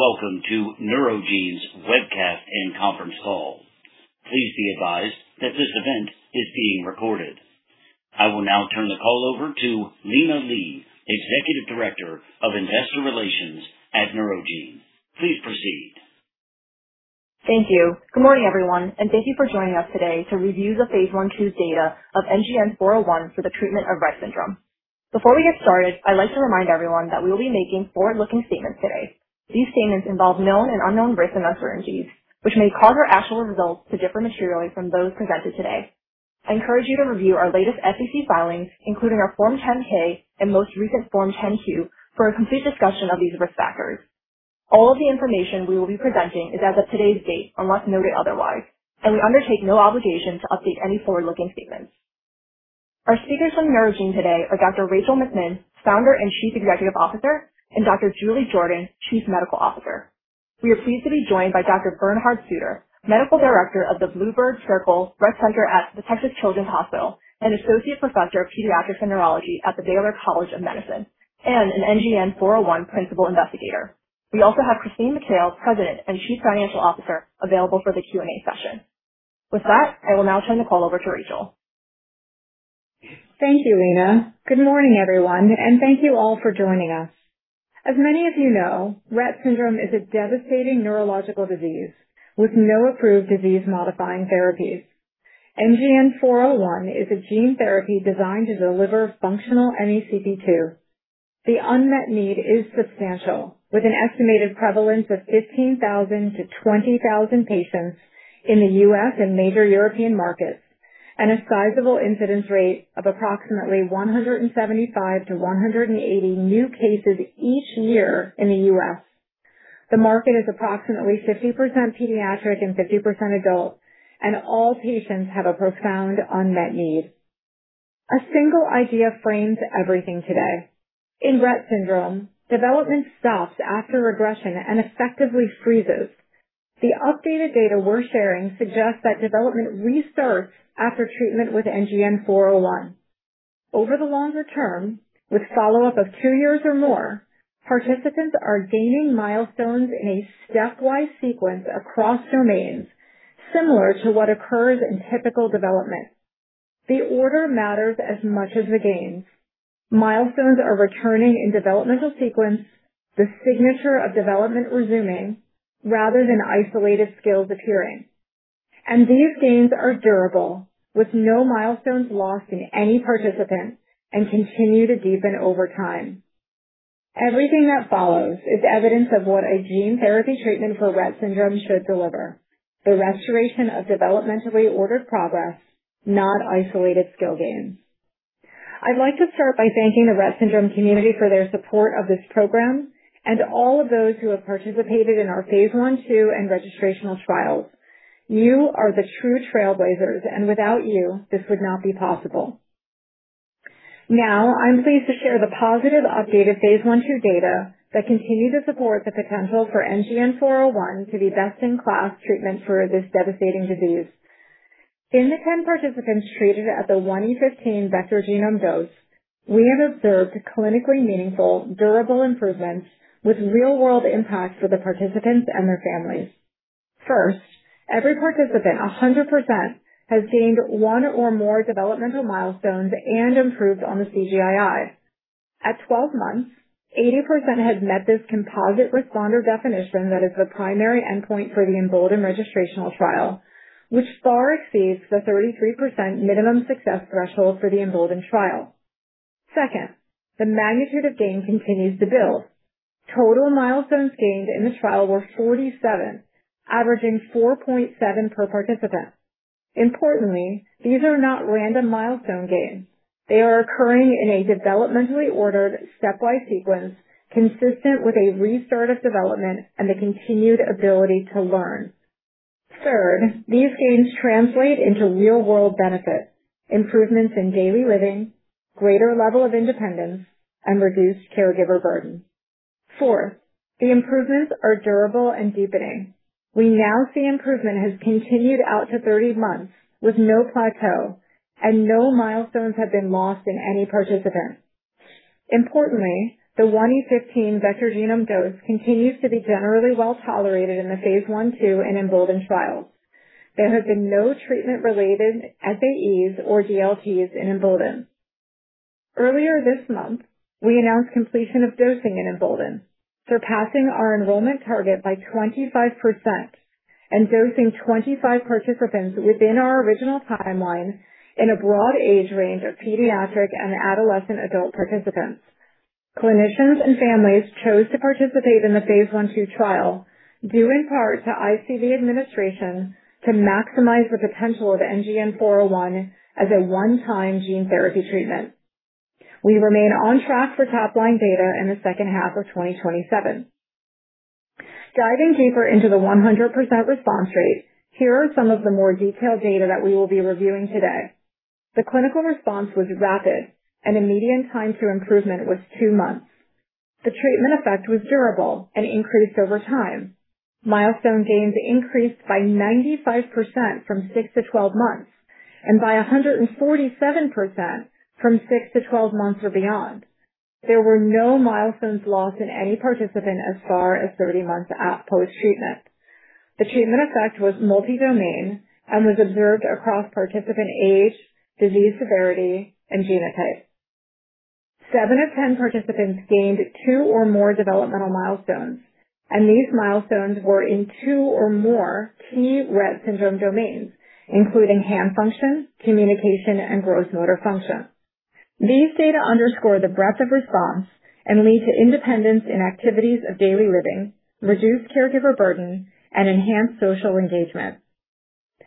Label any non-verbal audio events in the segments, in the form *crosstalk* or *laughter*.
Welcome to Neurogene's webcast and conference call. Please be advised that this event is being recorded. I will now turn the call over to Lina Li, Executive Director of Investor Relations at Neurogene. Please proceed. Thank you. Good morning, everyone, thank you for joining us today to review the phase I/II data of NGN-401 for the treatment of Rett syndrome. Before we get started, I'd like to remind everyone that we will be making forward-looking statements today. These statements involve known and unknown risks and uncertainties, which may cause our actual results to differ materially from those presented today. I encourage you to review our latest SEC filings, including our Form 10-K and most recent Form 10-Q, for a complete discussion of these risk factors. All of the information we will be presenting is as of today's date, unless noted otherwise, we undertake no obligation to update any forward-looking statements. Our speakers from Neurogene today are Dr. Rachel McMinn, Founder and Chief Executive Officer, Dr. Julie Jordan, Chief Medical Officer. We are pleased to be joined by Dr. Bernhard Suter, Medical Director of the Blue Bird Circle Rett Center at the Texas Children's Hospital and Associate Professor of Pediatrics and Neurology at the Baylor College of Medicine, an NGN-401 principal investigator. We also have Christine Mikail, President and Chief Financial Officer, available for the Q&A session. With that, I will now turn the call over to Rachel. Thank you, Lina. Good morning, everyone, thank you all for joining us. As many of you know, Rett syndrome is a devastating neurological disease with no approved disease-modifying therapies. NGN-401 is a gene therapy designed to deliver functional MECP2. The unmet need is substantial, with an estimated prevalence of 15,000 to 20,000 patients in the U.S. and major European markets, a sizable incidence rate of approximately 175 to 180 new cases each year in the U.S. The market is approximately 50% pediatric and 50% adult, all patients have a profound unmet need. A single idea frames everything today. In Rett syndrome, development stops after regression and effectively freezes. The updated data we're sharing suggests that development restarts after treatment with NGN-401. Over the longer term, with follow-up of two years or more, participants are gaining milestones in a stepwise sequence across domains, similar to what occurs in typical development. The order matters as much as the gains. Milestones are returning in developmental sequence, the signature of development resuming rather than isolated skills appearing. These gains are durable, with no milestones lost in any participant and continue to deepen over time. Everything that follows is evidence of what a gene therapy treatment for Rett syndrome should deliver: the restoration of developmentally ordered progress, not isolated skill gains. I'd like to start by thanking the Rett syndrome community for their support of this program and all of those who have participated in our phase I/II and registrational trials. You are the true trailblazers, and without you, this would not be possible. Now, I'm pleased to share the positive updated phase I/II data that continue to support the potential for NGN-401 to be best-in-class treatment for this devastating disease. In the 10 participants treated at the 1E15 vector genome dose, we have observed clinically meaningful, durable improvements with real-world impact for the participants and their families. First, every participant, 100%, has gained one or more developmental milestones and improved on the CGI-I. At 12 months, 80% have met this composite responder definition that is the primary endpoint for the EMBOLDEN registrational trial, which far exceeds the 33% minimum success threshold for the EMBOLDEN trial. Second, the magnitude of gain continues to build. Total milestones gained in this trial were 47, averaging 4.7 per participant. Importantly, these are not random milestone gains. They are occurring in a developmentally ordered, stepwise sequence consistent with a restart of development and the continued ability to learn. Third, these gains translate into real-world benefits, improvements in daily living, greater level of independence, and reduced caregiver burden. Fourth, the improvements are durable and deepening. We now see improvement has continued out to 30 months with no plateau and no milestones have been lost in any participant. Importantly, the 1E15 vector genome dose continues to be generally well tolerated in the phase I/II and EMBOLDEN trials. There have been no treatment-related SAEs or DLTs in EMBOLDEN. Earlier this month, we announced completion of dosing in EMBOLDEN, surpassing our enrollment target by 25% and dosing 25 participants within our original timeline in a broad age range of pediatric and adolescent adult participants. Clinicians and families chose to participate in the phase I/II trial due in part to ICV administration to maximize the potential of NGN-401 as a one-time gene therapy treatment. We remain on track for top-line data in the second half of 2027. Diving deeper into the 100% response rate, here are some of the more detailed data that we will be reviewing today. The clinical response was rapid, and the median time to improvement was two months. The treatment effect was durable and increased over time. Milestone gains increased by 95% from six to 12 months and by 147% from six to 12 months or beyond. There were no milestones lost in any participant as far as 30 months post-treatment. The treatment effect was multi-domain and was observed across participant age, disease severity, and genotype. Seven of 10 participants gained two or more developmental milestones, and these milestones were in two or more key Rett syndrome domains, including hand function, communication, and gross motor function. These data underscore the breadth of response and lead to independence in activities of daily living, reduced caregiver burden, and enhanced social engagement.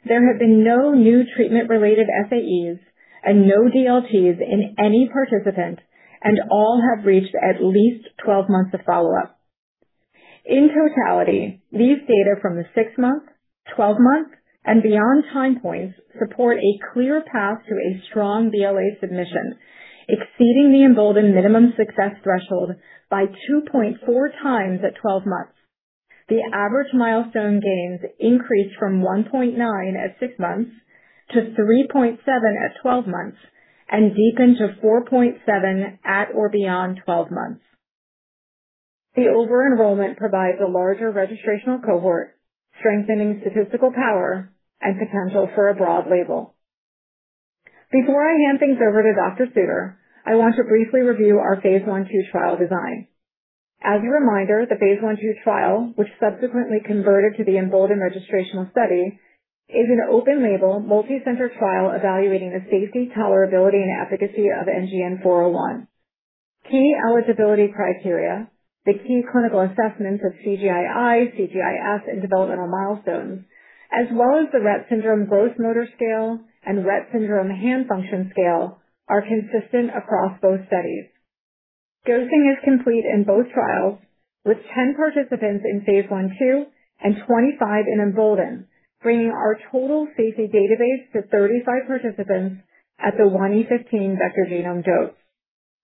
There have been no new treatment-related SAEs and no DLTs in any participant, and all have reached at least 12 months of follow-up. In totality, these data from the six-month, 12-month, and beyond time points support a clear path to a strong BLA submission, exceeding the EMBOLDEN minimum success threshold by 2.4 times at 12 months. The average milestone gains increased from 1.9 at six months to 3.7 at 12 months and deepened to 4.7 at or beyond 12 months. The over-enrollment provides a larger registrational cohort, strengthening statistical power and potential for a broad label. Before I hand things over to Dr. Suter, I want to briefly review our phase I/II trial design. As a reminder, the phase I/II trial, which subsequently converted to the EMBOLDEN registrational study, is an open-label, multi-center trial evaluating the safety, tolerability, and efficacy of NGN-401. Key eligibility criteria, the key clinical assessments of CGI-I, CGI-S, and developmental milestones. As well as the Rett Syndrome Gross Motor Scale and Rett Syndrome Hand Function Scale are consistent across both studies. Dosing is complete in both trials, with 10 participants in phase I/II and 25 in EMBOLDEN, bringing our total safety database to 35 participants at the 1E15 vector genome dose.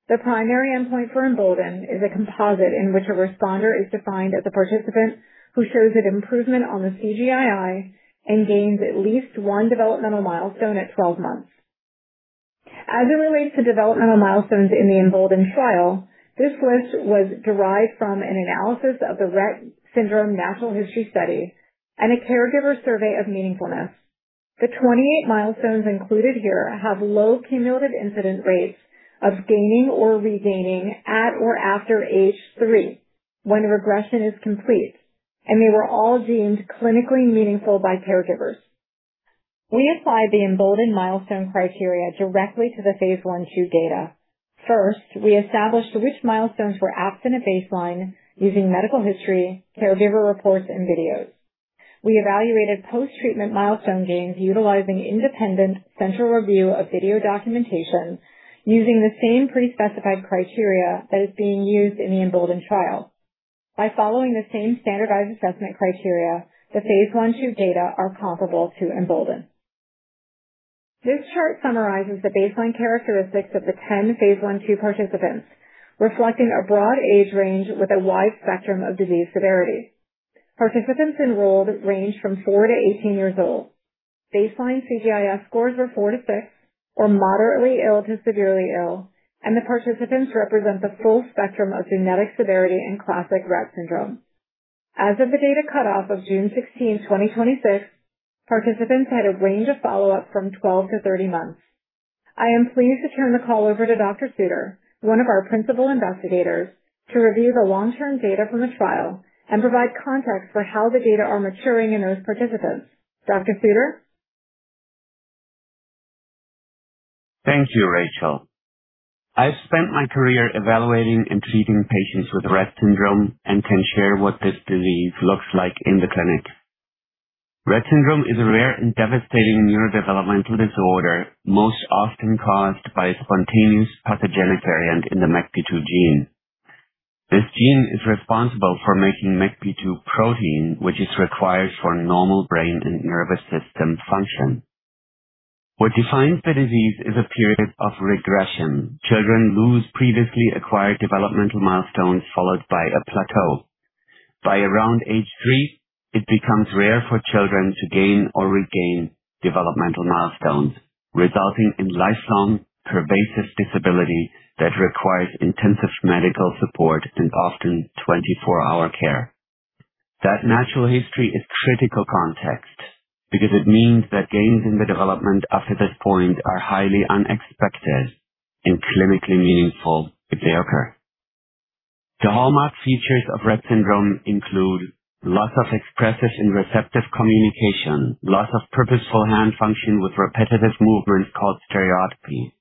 The primary endpoint for EMBOLDEN is a composite in which a responder is defined as a participant who shows an improvement on the CGI-I and gains at least one developmental milestone at 12 months. As it relates to developmental milestones in the EMBOLDEN trial, this list was derived from an analysis of the Rett Syndrome Natural History Study and a caregiver survey of meaningfulness. The 28 milestones included here have low cumulative incidence rates of gaining or regaining at or after age three, when regression is complete. They were all deemed clinically meaningful by caregivers. We applied the EMBOLDEN milestone criteria directly to the phase I/II data. First, we established which milestones were absent at baseline using medical history, caregiver reports, and videos. We evaluated post-treatment milestone gains utilizing independent central review of video documentation using the same pre-specified criteria that is being used in the EMBOLDEN trial. By following the same standardized assessment criteria, the phase I/II data are comparable to EMBOLDEN. This chart summarizes the baseline characteristics of the 10 phase I/II participants, reflecting a broad age range with a wide spectrum of disease severity. Participants enrolled range from four to 18 years old. Baseline CGI-S scores were four to six or moderately ill to severely ill, and the participants represent the full spectrum of genetic severity in classic Rett syndrome. As of the data cutoff of June 16th, 2026, participants had a range of follow-up from 12 to 30 months. I am pleased to turn the call over to Dr. Suter, one of our principal investigators, to review the long-term data from the trial and provide context for how the data are maturing in those participants. Dr. Suter? Thank you, Rachel. I've spent my career evaluating and treating patients with Rett syndrome and can share what this disease looks like in the clinic. Rett syndrome is a rare and devastating neurodevelopmental disorder, most often caused by a spontaneous pathogenic variant in the MECP2 gene. This gene is responsible for making MECP2 protein, which is required for normal brain and nervous system function. What defines the disease is a period of regression. Children lose previously acquired developmental milestones, followed by a plateau. By around age three, it becomes rare for children to gain or regain developmental milestones, resulting in lifelong pervasive disability that requires intensive medical support and often 24-hour care. That natural history is critical context because it means that gains in the development after this point are highly unexpected and clinically meaningful if they occur. The hallmark features of Rett syndrome include loss of expressive and receptive communication, loss of purposeful hand function with repetitive movement called stereotypy,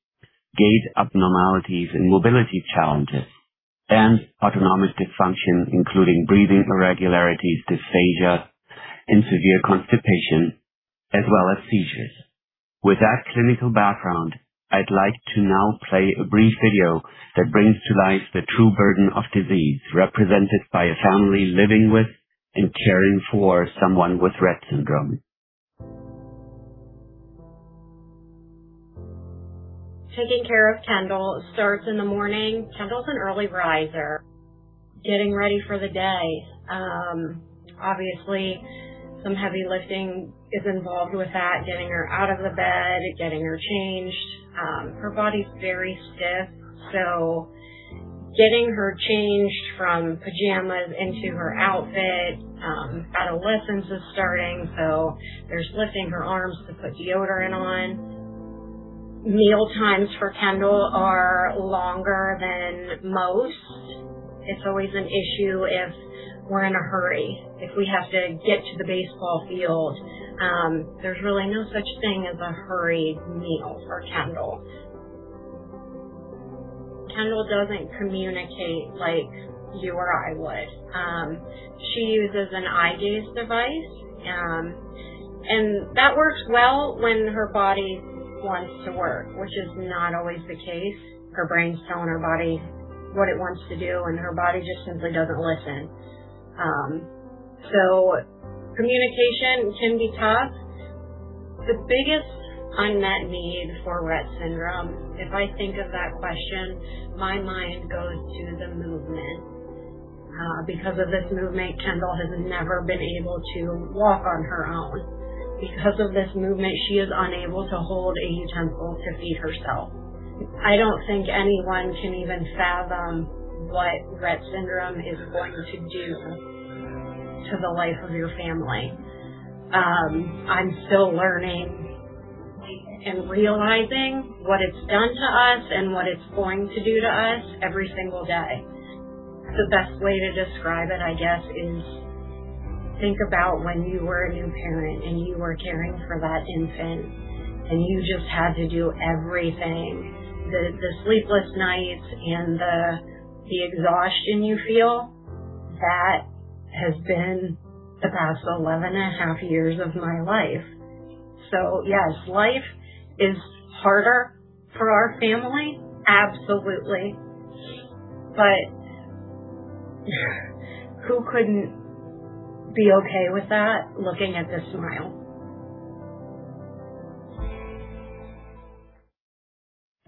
gait abnormalities and mobility challenges, and autonomic dysfunction, including breathing irregularities, dysphagia, and severe constipation, as well as seizures. With that clinical background, I'd like to now play a brief video that brings to life the true burden of disease represented by a family living with and caring for someone with Rett syndrome. Taking care of Kendall starts in the morning. Kendall's an early riser. Getting ready for the day, obviously some heavy lifting is involved with that, getting her out of the bed, getting her changed. Her body's very stiff, getting her changed from pajamas into her outfit. Adolescence is starting, so there's lifting her arms to put deodorant on. Mealtimes for Kendall are longer than most. It's always an issue if we're in a hurry. If we have to get to the baseball field, there's really no such thing as a hurried meal for Kendall. Kendall doesn't communicate like you or I would. She uses an eye gaze device. That works well when her body wants to work, which is not always the case. Her brain's telling her body what it wants to do, and her body just simply doesn't listen. Communication can be tough. The biggest unmet need for Rett syndrome, if I think of that question, my mind goes to the movement. Because of this movement, Kendall has never been able to walk on her own. Because of this movement, she is unable to hold a utensil to feed herself. I don't think anyone can even fathom what Rett syndrome is going to do to the life of your family. I'm still learning and realizing what it's done to us and what it's going to do to us every single day. The best way to describe it, I guess, is think about when you were a new parent and you were caring for that infant, and you just had to do everything. The sleepless nights and the exhaustion you feel, that has been the past 11 and a half years of my life. Yes, life is harder for our family, absolutely. Who couldn't be okay with that looking at this smile?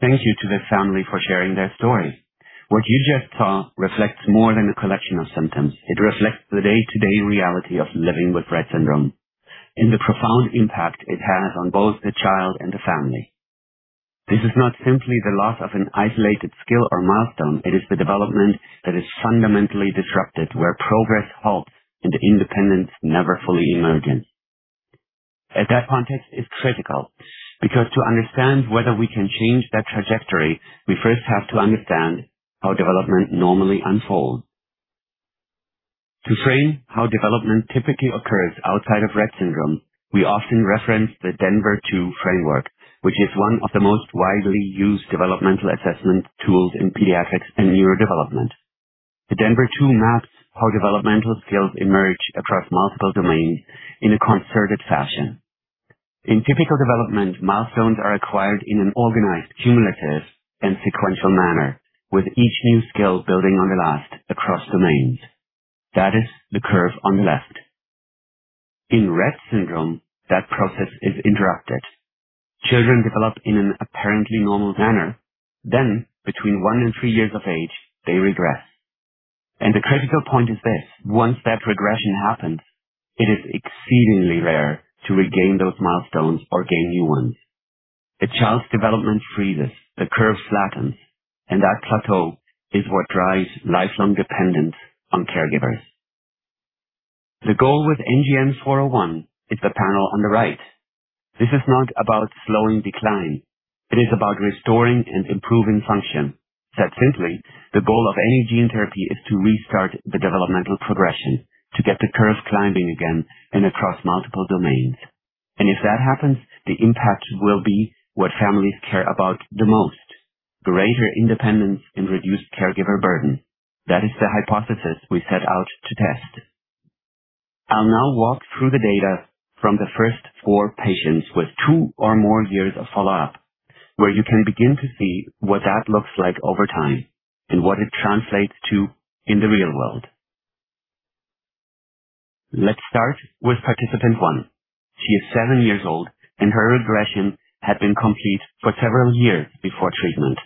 Thank you to this family for sharing their story. What you just saw reflects more than a collection of symptoms. It reflects the day-to-day reality of living with Rett syndrome and the profound impact it has on both the child and the family. This is not simply the loss of an isolated skill or milestone, it is the development that is fundamentally disrupted, where progress halts and independence never fully emerges. That context is critical, because to understand whether we can change that trajectory, we first have to understand how development normally unfolds. To frame how development typically occurs outside of Rett syndrome, we often reference the Denver II framework, which is one of the most widely used developmental assessment tools in pediatrics and neurodevelopment. The Denver II maps how developmental skills emerge across multiple domains in a concerted fashion. In typical development, milestones are acquired in an organized, cumulative, and sequential manner, with each new skill building on the last across domains. That is the curve on the left. In Rett syndrome, that process is interrupted. Children develop in an apparently normal manner. Between one and three years of age, they regress. The critical point is this: once that regression happens, it is exceedingly rare to regain those milestones or gain new ones. A child's development freezes, the curve flattens, and that plateau is what drives lifelong dependence on caregivers. The goal with NGN-401 is the panel on the right. This is not about slowing decline. It is about restoring and improving function. Said simply, the goal of any gene therapy is to restart the developmental progression, to get the curve climbing again and across multiple domains. If that happens, the impact will be what families care about the most, greater independence and reduced caregiver burden. That is the hypothesis we set out to test. I'll now walk through the data from the first four patients with two or more years of follow-up, where you can begin to see what that looks like over time and what it translates to in the real world. Let's start with participant one. She is seven years old, and her regression had been complete for several years before treatment.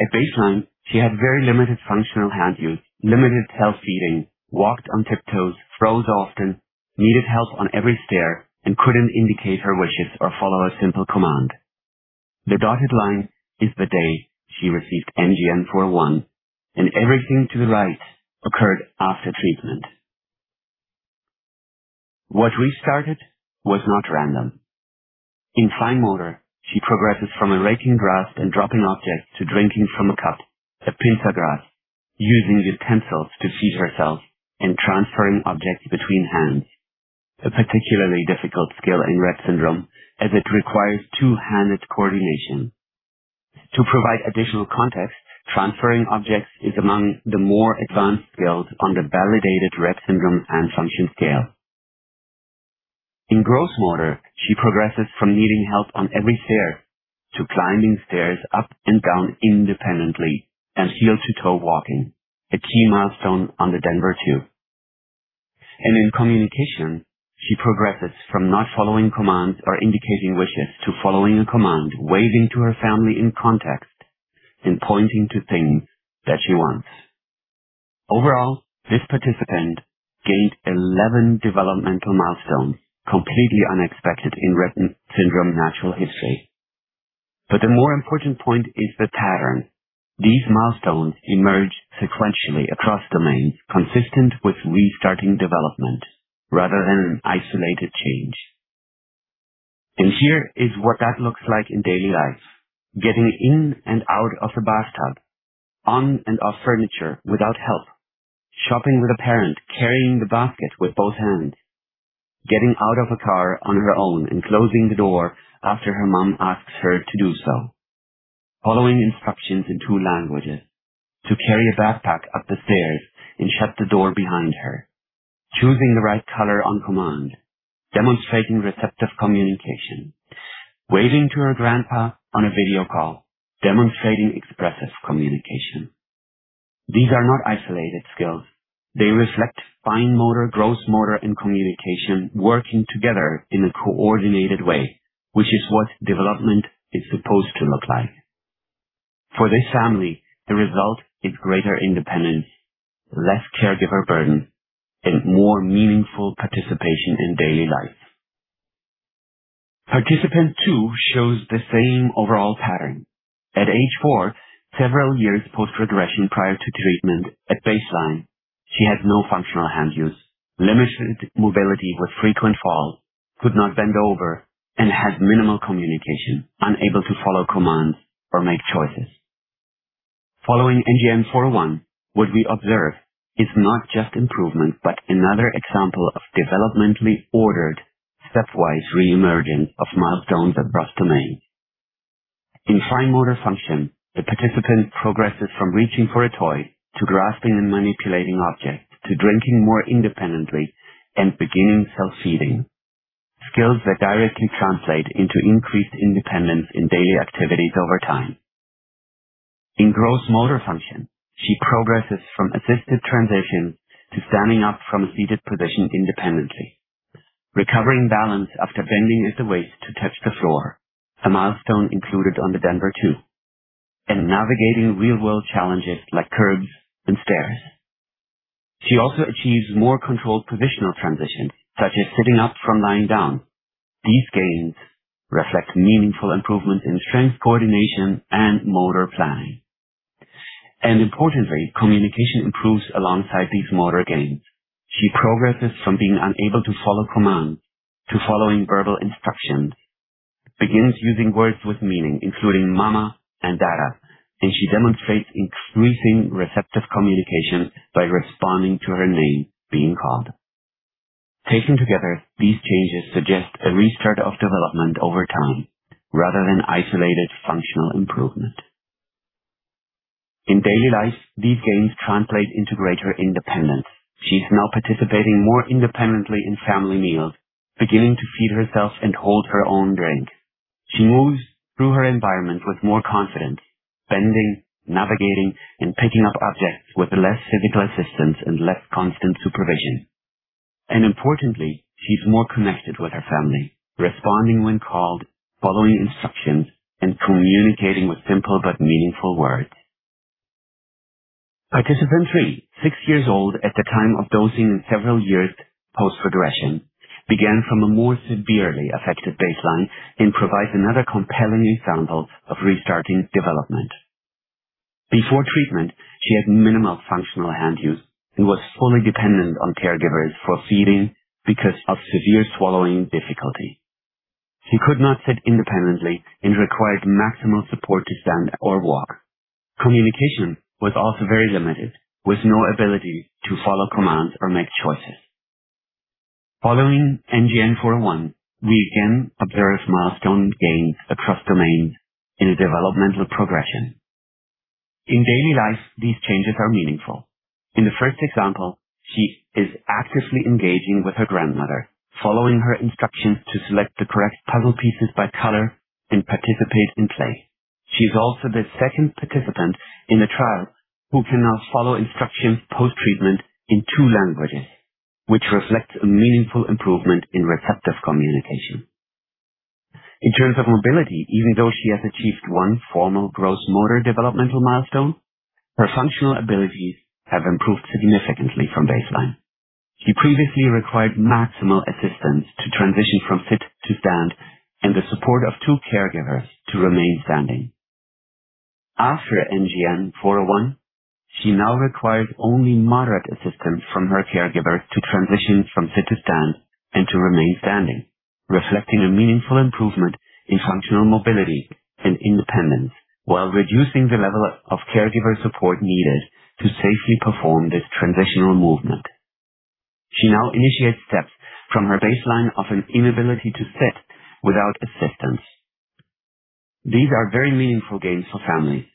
At baseline, she had very limited functional hand use, limited self-feeding, walked on tiptoes, froze often, needed help on every stair, and couldn't indicate her wishes or follow a simple command. The dotted line is the day she received NGN-401, and everything to the right occurred after treatment. What we started was not random. In fine motor, she progresses from a raking grasp and dropping objects to drinking from a cup, the pincer grasp, using utensils to feed herself, and transferring objects between hands, a particularly difficult skill in Rett syndrome, as it requires two-handed coordination. To provide additional context, transferring objects is among the more advanced skills on the validated Rett Syndrome Hand Function Scale. In gross motor, she progresses from needing help on every stair to climbing stairs up and down independently and heel-to-toe walking, a key milestone on the Denver II. In communication, she progresses from not following commands or indicating wishes to following a command, waving to her family in context, and pointing to things that she wants. Overall, this participant gained 11 developmental milestones, completely unexpected in Rett syndrome natural history. The more important point is the pattern. These milestones emerge sequentially across domains, consistent with restarting development rather than an isolated change. Here is what that looks like in daily life. Getting in and out of a bathtub, on and off furniture without help, shopping with a parent, carrying the basket with both hands, getting out of a car on her own, and closing the door after her mom asks her to do so, following instructions in two languages, to carry a backpack up the stairs and shut the door behind her, choosing the right color on command, demonstrating receptive communication, waving to her grandpa on a video call, demonstrating expressive communication. These are not isolated skills. They reflect fine motor, gross motor, and communication working together in a coordinated way, which is what development is supposed to look like. For this family, the result is greater independence, less caregiver burden, and more meaningful participation in daily life. Participant two shows the same overall pattern. At age four, several years post-regression prior to treatment at baseline, she had no functional hand use, limited mobility with frequent falls, could not bend over, and had minimal communication, unable to follow commands or make choices. Following NGN-401, what we observe is not just improvement, but another example of developmentally ordered stepwise re-emerging of milestones across domains. In fine motor function, the participant progresses from reaching for a toy to grasping and manipulating objects, to drinking more independently and beginning self-feeding, skills that directly translate into increased independence in daily activities over time. In gross motor function, she progresses from assisted transition to standing up from a seated position independently, recovering balance after bending at the waist to touch the floor, a milestone included on the Denver II, and navigating real-world challenges like curbs and stairs. She also achieves more controlled positional transitions, such as sitting up from lying down. These gains reflect meaningful improvement in strength coordination and motor planning. Importantly, communication improves alongside these motor gains. She progresses from being unable to follow commands to following verbal instructions, begins using words with meaning, including mama and dada, and she demonstrates increasing receptive communication by responding to her name being called. Taken together, these changes suggest a restart of development over time rather than isolated functional improvement. In daily life, these gains translate into greater independence. She's now participating more independently in family meals, beginning to feed herself, and hold her own drink. She moves through her environment with more confidence, bending, navigating, and picking up objects with less physical assistance and less constant supervision. Importantly, she's more connected with her family, responding when called, following instructions, and communicating with simple but meaningful words. Participant three, six years old at the time of dosing several years post-regression, began from a more severely affected baseline and provides another compelling example of restarting development. Before treatment, she had minimal functional hand use and was fully dependent on caregivers for feeding because of severe swallowing difficulty. She could not sit independently and required maximal support to stand or walk. Communication was also very limited, with no ability to follow commands or make choices. Following NGN-401, we again observe milestone gains across domains in a developmental progression. In daily life, these changes are meaningful. In the first example, she is actively engaging with her grandmother, following her instructions to select the correct puzzle pieces by color and participate in play. She's also the second participant in the trial who can now follow instructions post-treatment in two languages, which reflects a meaningful improvement in receptive communication. In terms of mobility, even though she has achieved one formal gross motor developmental milestone, her functional abilities have improved significantly from baseline. She previously required maximal assistance to transition from sit to stand and the support of two caregivers to remain standing. After NGN-401, she now requires only moderate assistance from her caregiver to transition from sit to stand and to remain standing. Reflecting a meaningful improvement in functional mobility and independence while reducing the level of caregiver support needed to safely perform this transitional movement. She now initiates steps from her baseline of an inability to sit without assistance. These are very meaningful gains for families.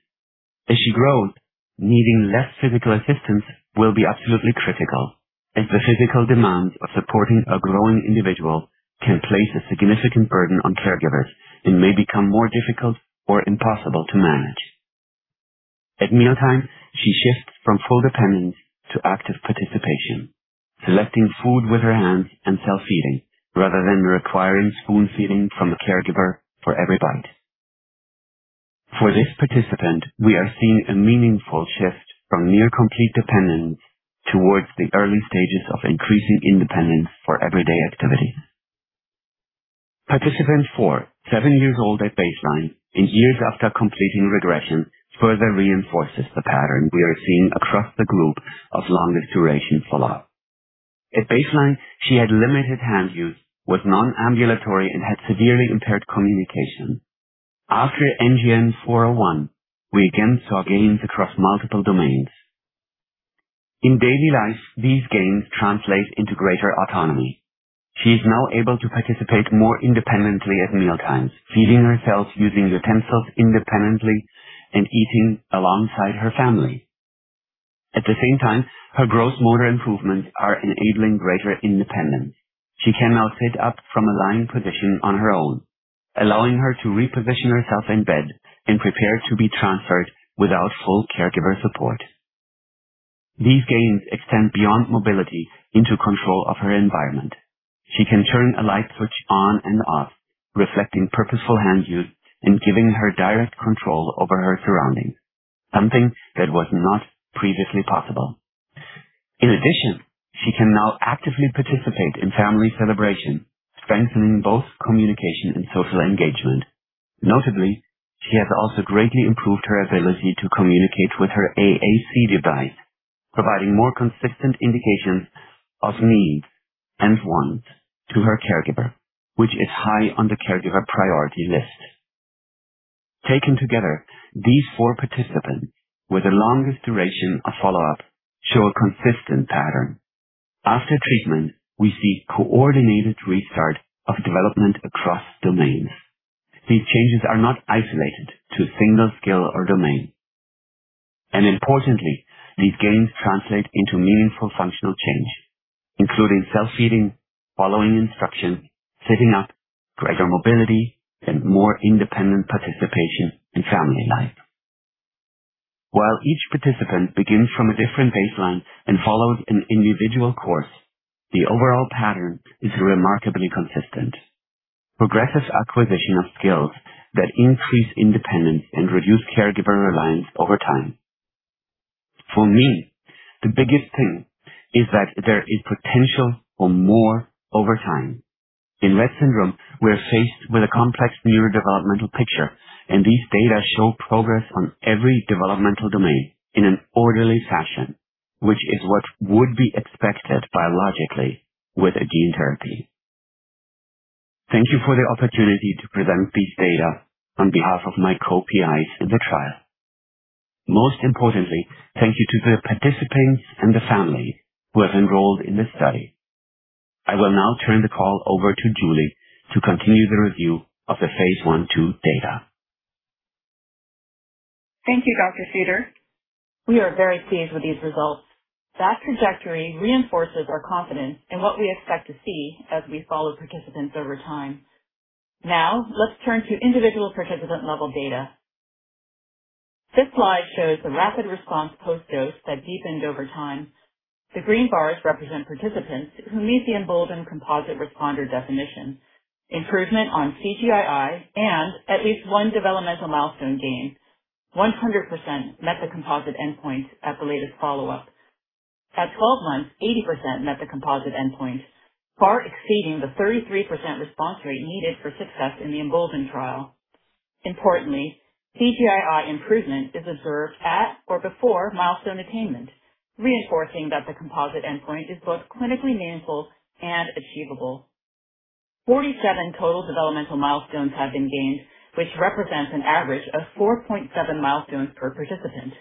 As she grows, needing less physical assistance will be absolutely critical. The physical demands of supporting a growing individual can place a significant burden on caregivers and may become more difficult or impossible to manage. At mealtime, she shifts from full dependence to active participation, selecting food with her hands and self-feeding rather than requiring spoon-feeding from a caregiver for every bite. For this participant, we are seeing a meaningful shift from near complete dependence towards the early stages of increasing independence for everyday activities. Participant four, seven years old at baseline and years after completing regression, further reinforces the pattern we are seeing across the group of longest duration follow-up. At baseline, she had limited hand use, was non-ambulatory, and had severely impaired communication. After NGN-401, we again saw gains across multiple domains. In daily life, these gains translate into greater autonomy. She is now able to participate more independently at mealtimes, feeding herself using utensils independently and eating alongside her family. At the same time, her gross motor improvements are enabling greater independence. She can now sit up from a lying position on her own, allowing her to reposition herself in bed and prepare to be transferred without full caregiver support. These gains extend beyond mobility into control of her environment. She can turn a light switch on and off, reflecting purposeful hand use and giving her direct control over her surroundings, something that was not previously possible. In addition, she can now actively participate in family celebration, strengthening both communication and social engagement. Notably, she has also greatly improved her ability to communicate with her AAC device, providing more consistent indications of need and want to her caregiver, which is high on the caregiver priority list. Taken together, these four participants with the longest duration of follow-up show a consistent pattern. After treatment, we see coordinated restart of development across domains. These changes are not isolated to a single skill or domain. Importantly, these gains translate into meaningful functional change, including self-feeding, following instructions, sitting up, greater mobility, and more independent participation in family life. While each participant begins from a different baseline and follows an individual course, the overall pattern is remarkably consistent. Progressive acquisition of skills that increase independence and reduce caregiver reliance over time. For me, the biggest thing is that there is potential for more over time. In Rett syndrome, we are faced with a complex neurodevelopmental picture, these data show progress on every developmental domain in an orderly fashion, which is what would be expected biologically with a gene therapy. Thank you for the opportunity to present these data on behalf of my co-PIs in the trial. Most importantly, thank you to the participants and the family who have enrolled in this study. I will now turn the call over to Julie to continue the review of the phase I/II data. Thank you, Dr. Suter. We are very pleased with these results. That trajectory reinforces our confidence in what we expect to see as we follow participants over time. Now let's turn to individual participant level data. This slide shows the rapid response post-dose that deepened over time. The green bars represent participants who meet the EMBOLDEN composite responder definition, improvement on CGI-I and at least one developmental milestone gain. 100% met the composite endpoint at the latest follow-up. At 12 months, 80% met the composite endpoint, far exceeding the 33% response rate needed for success in the EMBOLDEN trial. Importantly, CGI-I improvement is observed at or before milestone attainment, reinforcing that the composite endpoint is both clinically meaningful and achievable. 47 total developmental milestones have been gained, which represents an average of 4.7 milestones per participant.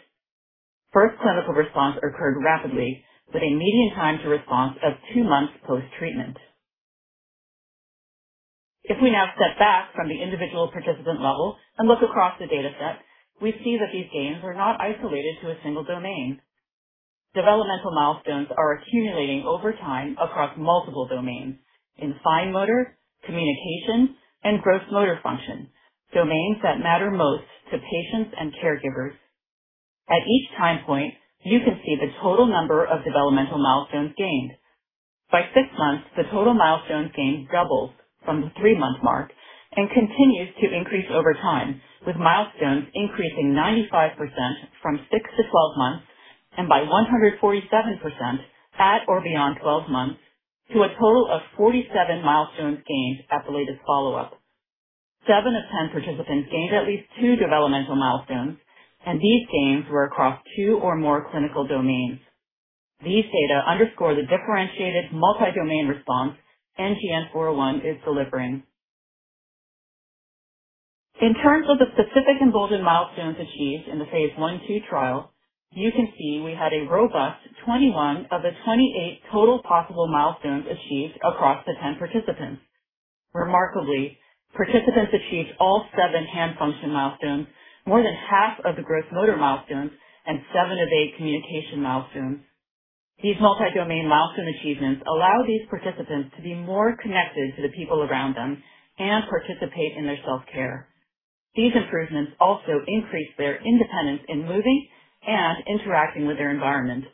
First clinical response occurred rapidly with a median time to response of two months post-treatment. If we now step back from the individual participant level and look across the dataset, we see that these gains are not isolated to a one domain. Developmental milestones are accumulating over time across multiple domains in fine motor, communication, and gross motor function, domains that matter most to patients and caregivers. At each time point, you can see the total number of developmental milestones gained. By six months, the total milestones gained doubles from the three-month mark and continues to increase over time, with milestones increasing 95% from 6-12 months and by 147% at or beyond 12 months to a total of 47 milestones gained at the latest follow-up. Seven of 10 participants gained at least two developmental milestones, and these gains were across two or more clinical domains. These data underscore the differentiated multi-domain response NGN-401 is delivering. In terms of the specific EMBOLDEN milestones achieved in the phase I/II trial, you can see we had a robust 21 of the 28 total possible milestones achieved across the 10 participants. Remarkably, participants achieved all seven hand function milestones, more than half of the gross motor milestones, and seven of eight communication milestones. These multi-domain milestone achievements allow these participants to be more connected to the people around them and participate in their self-care. These improvements also increase their independence in moving and interacting with their environment,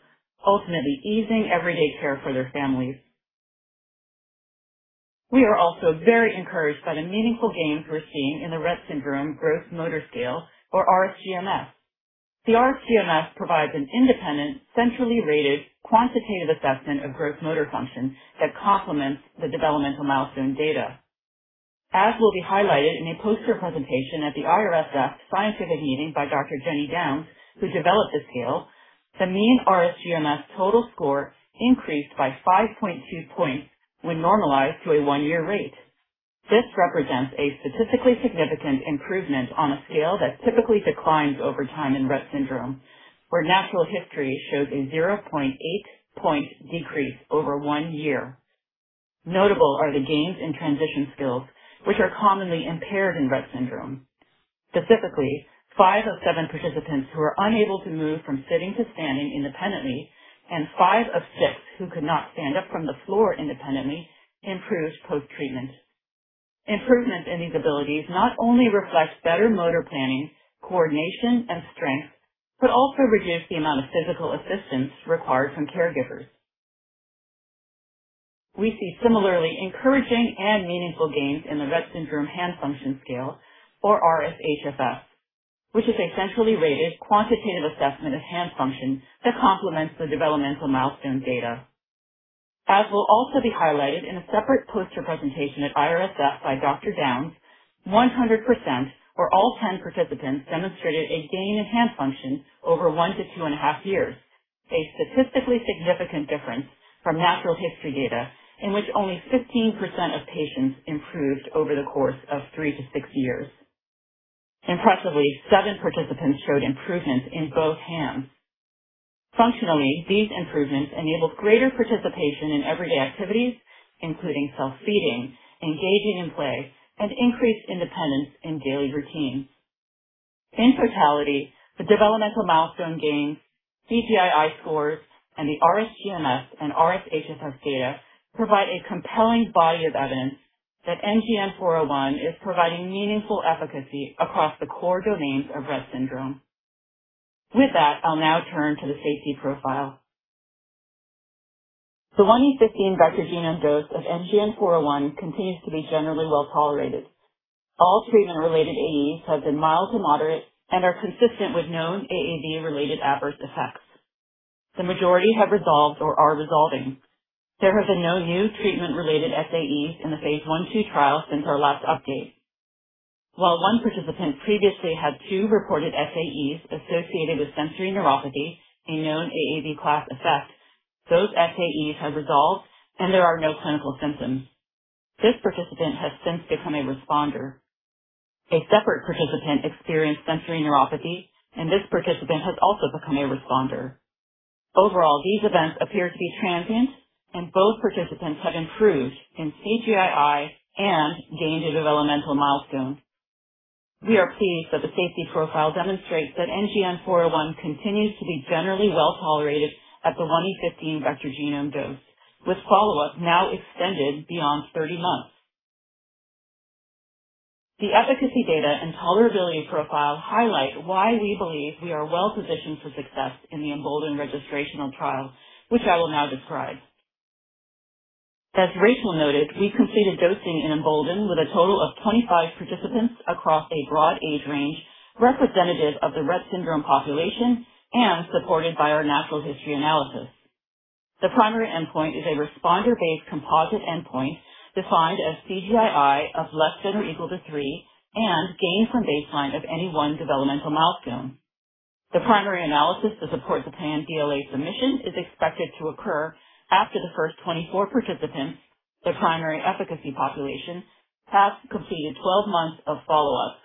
ultimately easing everyday care for their families. We are also very encouraged by the meaningful gains we're seeing in the Rett Syndrome Gross Motor Scale, or RSGMS. The RSGMS provides an independent, centrally rated, quantitative assessment of gross motor function that complements the developmental milestone data. As will be highlighted in a poster presentation at the IRSF Scientific Meeting by Dr. Jenny Downs, who developed the scale, the mean RSGMS total score increased by 5.2 points when normalized to a one-year rate. This represents a statistically significant improvement on a scale that typically declines over time in Rett syndrome, where natural history shows a 0.8-point decrease over one year. Notable are the gains in transition skills, which are commonly impaired in Rett syndrome. Specifically, five of seven participants who were unable to move from sitting to standing independently and five of six who could not stand up from the floor independently improved post-treatment. Improvements in these abilities not only reflects better motor planning, coordination, and strength but also reduce the amount of physical assistance required from caregivers. We see similarly encouraging and meaningful gains in the Rett Syndrome Hand Function Scale, or RSHFS, which is a centrally rated quantitative assessment of hand function that complements the developmental milestone data. As will also be highlighted in a separate poster presentation at IRSF by Dr. Downs, 100%, or all 10 participants, demonstrated a gain in hand function over one to two and a half years. A statistically significant difference from natural history data in which only 15% of patients improved over the course of three to six years. Impressively, seven participants showed improvements in both hands. Functionally, these improvements enabled greater participation in everyday activities, including self-feeding, engaging in play, and increased independence in daily routines. In totality, the developmental milestone gains, CGI-I scores, and the RSGMS and RSHFS data provide a compelling body of evidence that NGN-401 is providing meaningful efficacy across the core domains of Rett syndrome. With that, I'll now turn to the safety profile. The 1E15 vector genome dose of NGN-401 continues to be generally well tolerated. All treatment-related AEs have been mild to moderate and are consistent with known AAV-related adverse effects. The majority have resolved or are resolving. There have been no new treatment-related SAEs in the phase I/II trial since our last update. While one participant previously had two reported SAEs associated with sensory neuropathy, a known AAV class effect, those SAEs have resolved, and there are no clinical symptoms. This participant has since become a responder. A separate participant experienced sensory neuropathy, and this participant has also become a responder. Overall, these events appear to be transient, and both participants have improved in CGI-I and gain to developmental milestone. We are pleased that the safety profile demonstrates that NGN-401 continues to be generally well tolerated at the 1E15 vector genome dose, with follow-up now extended beyond 30 months. The efficacy data and tolerability profile highlight why we believe we are well-positioned for success in the EMBOLDEN registrational trial, which I will now describe. As Rachel noted, we completed dosing in EMBOLDEN with a total of 25 participants across a broad age range, representative of the Rett syndrome population and supported by our natural history analysis. The primary endpoint is a responder-based composite endpoint defined as CGI-I of less than or equal to three and gain from baseline of any one developmental milestone. The primary analysis to support the planned BLA submission is expected to occur after the first 24 participants, the primary efficacy population, have completed 12 months of follow-up.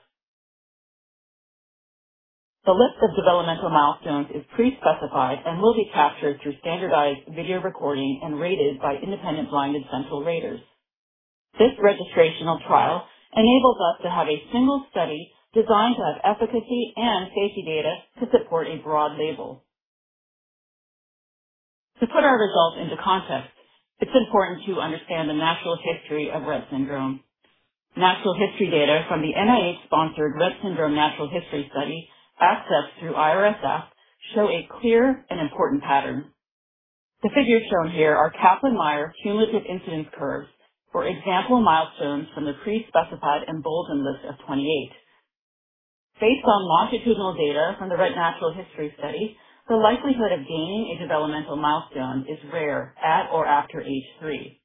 The list of developmental milestones is pre-specified and will be captured through standardized video recording and rated by independent blinded central raters. This registrational trial enables us to have a single study designed to have efficacy and safety data to support a broad label. To put our results into context, it's important to understand the natural history of Rett syndrome. Natural history data from the NIH-sponsored Rett Syndrome Natural History Study, accessed through IRSF, show a clear and important pattern. The figures shown here are Kaplan-Meier cumulative incidence curves for example milestones from the pre-specified EMBOLDEN list of 28. Based on longitudinal data from the Rett Natural History Study, the likelihood of gaining a developmental milestone is rare at or after age three.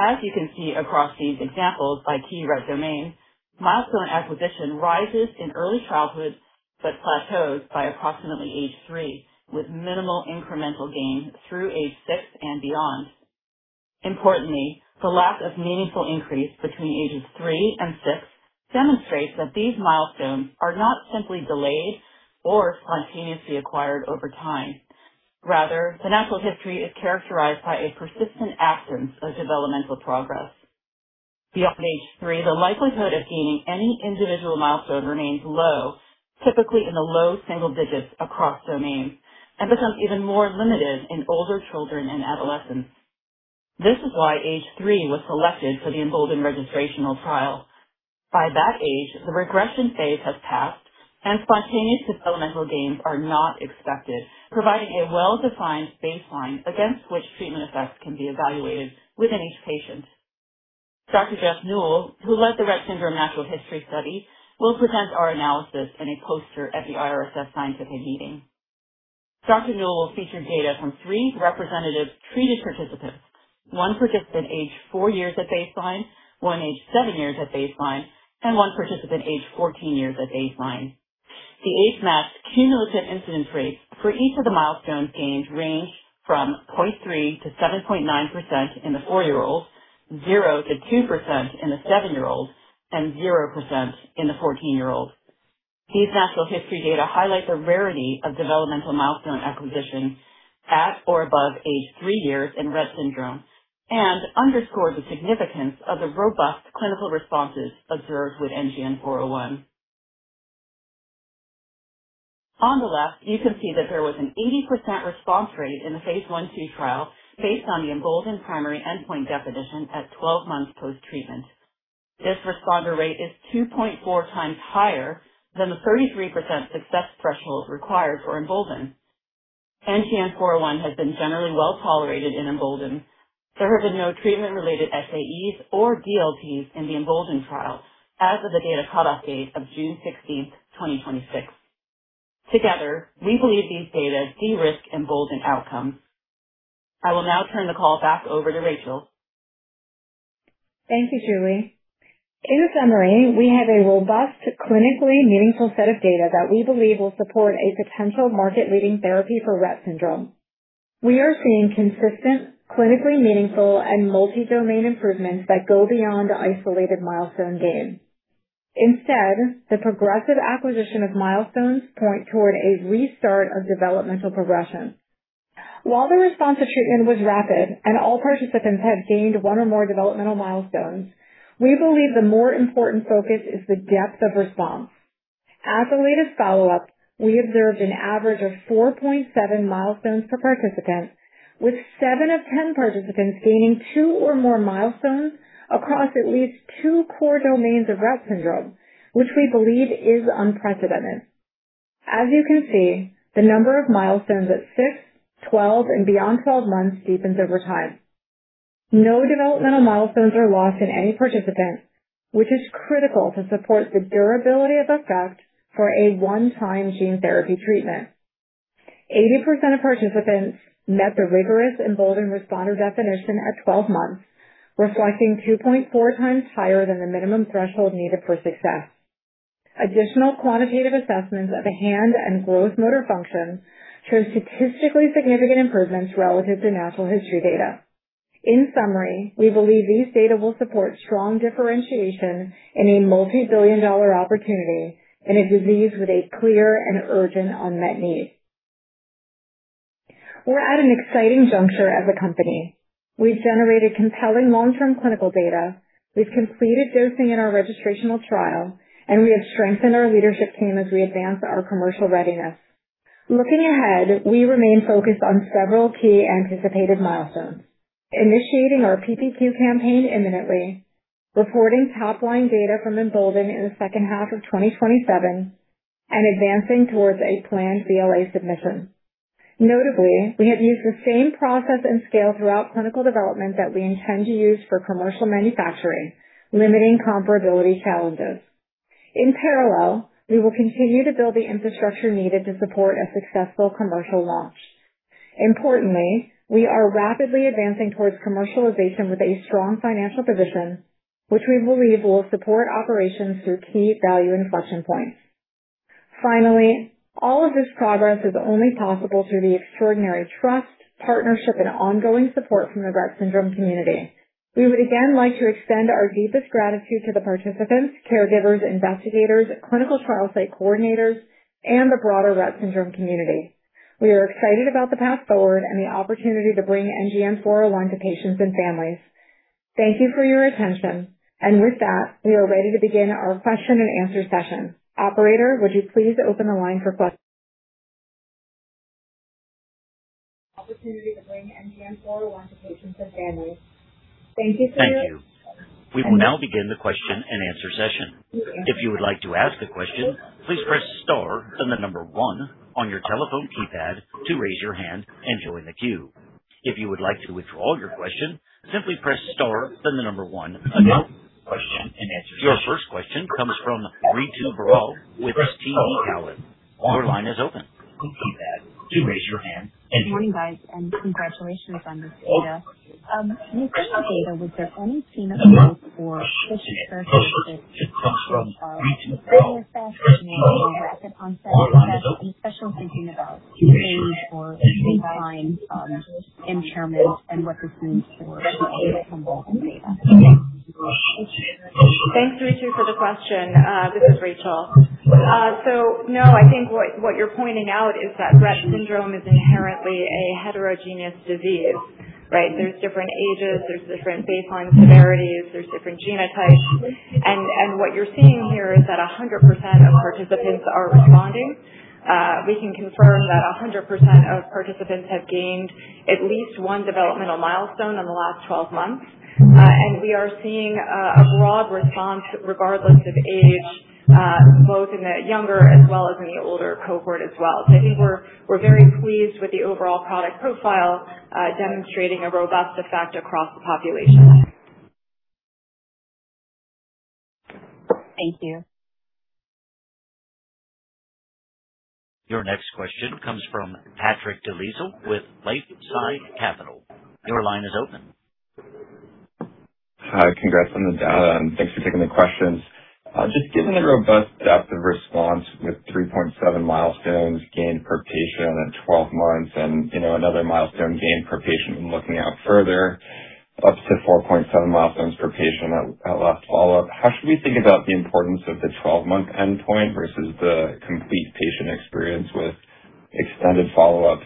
As you can see across these examples by key Rett domain, milestone acquisition rises in early childhood but plateaus by approximately age three, with minimal incremental gain through age six and beyond. Importantly, the lack of meaningful increase between ages three and six demonstrates that these milestones are not simply delayed or spontaneously acquired over time. Rather, the natural history is characterized by a persistent absence of developmental progress. Beyond age three, the likelihood of gaining any individual milestone remains low, typically in the low single digits across domains, and becomes even more limited in older children and adolescents. This is why age three was selected for the EMBOLDEN registrational trial. By that age, the regression phase has passed, and spontaneous developmental gains are not expected, providing a well-defined baseline against which treatment effects can be evaluated within each patient. Dr. Jeff Neul, who led the Rett Syndrome Natural History Study, will present our analysis in a poster at the IRSF scientific meeting. Dr. Neul featured data from three representative treated participants: one participant aged four years at baseline, one aged seven years at baseline, and one participant aged 14 years at baseline. The age-matched cumulative incidence rates for each of the milestone gains range from 0.3%-7.9% in the four-year-olds, 0%-2% in the seven-year-olds, and 0% in the 14-year-olds. These natural history data highlight the rarity of developmental milestone acquisition at or above age three years in Rett syndrome and underscore the significance of the robust clinical responses observed with NGN-401. On the left, you can see that there was an 80% response rate in the phase I/II trial based on the EMBOLDEN primary endpoint definition at 12 months post-treatment. This responder rate is 2.4 times higher than the 33% success threshold required for EMBOLDEN. NGN-401 has been generally well-tolerated in EMBOLDEN. There have been no treatment-related SAEs or DLTs in the EMBOLDEN trial as of the data cutoff date of June 16, 2026. Together, we believe these data de-risk EMBOLDEN outcomes. I will now turn the call back over to Rachel. Thank you, Julie. In summary, we have a robust, clinically meaningful set of data that we believe will support a potential market-leading therapy for Rett syndrome. We are seeing consistent, clinically meaningful, and multi-domain improvements that go beyond isolated milestone gains. Instead, the progressive acquisition of milestones point toward a restart of developmental progression. While the response to treatment was rapid and all participants have gained one or more developmental milestones, we believe the more important focus is the depth of response. At the latest follow-up, we observed an average of 4.7 milestones per participant, with seven of 10 participants gaining two or more milestones across at least two core domains of Rett syndrome, which we believe is unprecedented. As you can see, the number of milestones at six, 12, and beyond 12 months deepens over time. No developmental milestones are lost in any participant, which is critical to support the durability of effect for a one-time gene therapy treatment. 80% of participants met the rigorous EMBOLDEN responder definition at 12 months, reflecting 2.4 times higher than the minimum threshold needed for success. Additional quantitative assessments of the hand and gross motor function showed statistically significant improvements relative to natural history data. In summary, we believe these data will support strong differentiation in a multi-billion dollar opportunity in a disease with a clear and urgent unmet need. We're at an exciting juncture as a company. We've generated compelling long-term clinical data. We've completed dosing in our registrational trial, and we have strengthened our leadership team as we advance our commercial readiness. Looking ahead, we remain focused on several key anticipated milestones. Initiating our PPQ campaign imminently, reporting top-line data from EMBOLDEN in the second half of 2027, and advancing towards a planned BLA submission. Notably, we have used the same process and scale throughout clinical development that we intend to use for commercial manufacturing, limiting comparability challenges. In parallel, we will continue to build the infrastructure needed to support a successful commercial launch. Importantly, we are rapidly advancing towards commercialization with a strong financial position, which we believe will support operations through key value inflection points. Finally, all of this progress is only possible through the extraordinary trust, partnership, and ongoing support from the Rett syndrome community. We would again like to extend our deepest gratitude to the participants, caregivers, investigators, clinical trial site coordinators, and the broader Rett syndrome community. We are excited about the path forward and the opportunity to bring NGN-401 to patients and families. Thank you for your attention. With that, we are ready to begin our question and answer session. Operator, would you please open the line for opportunity to bring NGN-401 to patients and families. Thank you. Thank you. We will now begin the question and answer session. If you would like to ask a question, please press star, then the number one on your telephone keypad to raise your hand and join the queue. If you would like to withdraw your question, simply press star, then the number one again. Question and answer. Your first question comes from Ritu Baral with TD Cowen. Your line is open. Good morning, guys. Congratulations on this data. In the current data, was there any signal for *crosstalk* rapid onset, especially thinking about change or any sign of impairment and what this means for the data from EMBOLDEN data. Thanks, Ritu, for the question. This is Rachel. No, I think what you're pointing out is that Rett syndrome is inherently a heterogeneous disease, right? There's different ages, there's different baseline severities, there's different genotypes. What you're seeing here is that 100% of participants are responding. We can confirm that 100% of participants have gained at least one developmental milestone in the last 12 months. We are seeing a broad response regardless of age, both in the younger as well as in the older cohort as well. I think we're very pleased with the overall product profile demonstrating a robust effect across the population. Thank you. Your next question comes from Patrick Dolezal with LifeSci Capital. Your line is open. Hi. Congrats on the data, thanks for taking the questions. Just given the robust depth of response with 3.7 milestones gained per patient at 12 months and another milestone gained per patient when looking out further, up to 4.7 milestones per patient at last follow-up. How should we think about the importance of the 12-month endpoint versus the complete patient experience with extended follow-up?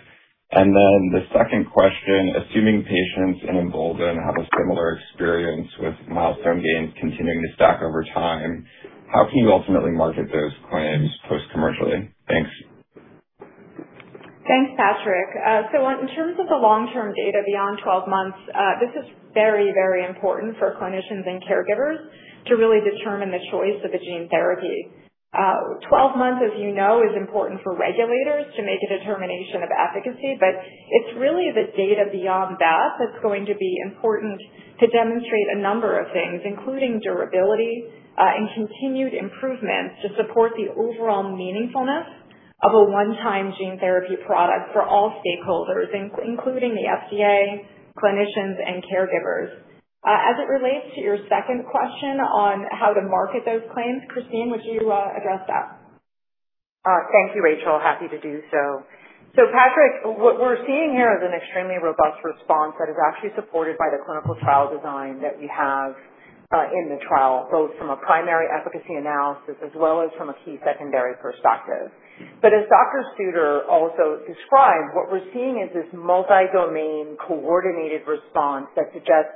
The second question, assuming patients in EMBOLDEN have a similar experience with milestone gains continuing to stack over time, how can you ultimately market those claims post commercially? Thanks. Thanks, Patrick. In terms of the long-term data beyond 12 months, this is very, very important for clinicians and caregivers to really determine the choice of a gene therapy. 12 months, as you know, is important for regulators to make a determination of efficacy. It's really the data beyond that that's going to be important to demonstrate a number of things, including durability and continued improvements, to support the overall meaningfulness of a one-time gene therapy product for all stakeholders, including the FDA, clinicians, and caregivers. As it relates to your second question on how to market those claims, Christine, would you address that? Thank you, Rachel. Happy to do so. Patrick, what we're seeing here is an extremely robust response that is actually supported by the clinical trial design that we have in the trial, both from a primary efficacy analysis as well as from a key secondary perspective. As Dr. Suter also described, what we're seeing is this multi-domain coordinated response that suggests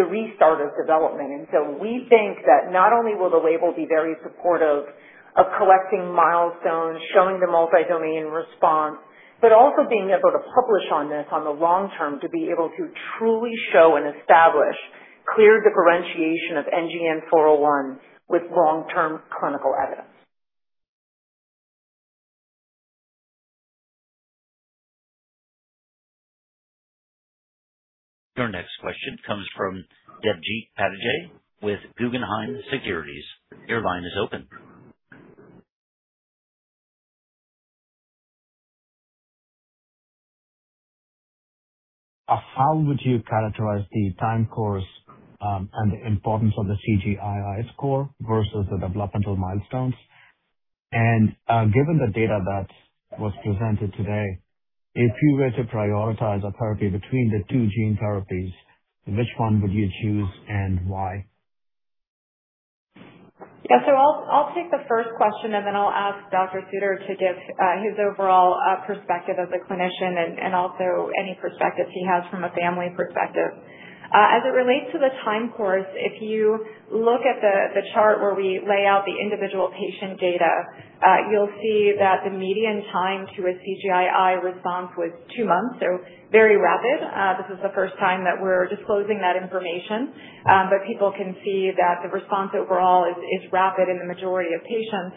the restart of development. We think that not only will the label be very supportive of collecting milestones, showing the multi-domain response, but also being able to publish on this on the long term, to be able to truly show and establish clear differentiation of NGN-401 with long-term clinical evidence. Your next question comes from Debji Chattopadhyay with Guggenheim Securities. Your line is open. How would you characterize the time course and the importance of the CGI-I versus the developmental milestones? Given the data that was presented today, if you were to prioritize a therapy between the two gene therapies, which one would you choose and why? I'll take the first question, then I'll ask Dr. Suter to give his overall perspective as a clinician and also any perspectives he has from a family perspective. As it relates to the time course, if you look at the chart where we lay out the individual patient data, you'll see that the median time to a CGI-I response was two months. Very rapid. This is the first time that we're disclosing that information, but people can see that the response overall is rapid in the majority of patients.